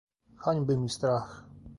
"Hańby mi strach!"